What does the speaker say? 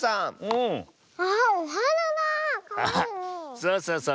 そうそうそう。